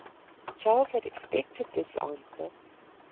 Charles had expected this answer.